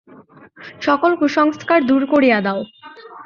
সকল কুসংস্কার দূর করিয়া দাও।